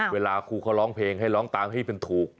เวลาครูเขาร้องเพลงให้ร้องตามให้เป็นถูก